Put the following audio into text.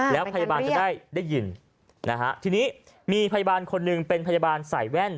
แล้วพยาบาลจะได้ได้ยินนะฮะทีนี้มีพยาบาลคนหนึ่งเป็นพยาบาลใส่แว่น